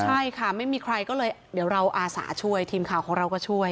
ใช่ค่ะไม่มีใครก็เลยเดี๋ยวเราอาสาช่วยทีมข่าวของเราก็ช่วย